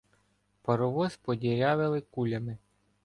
Паровоз подірявили кулями.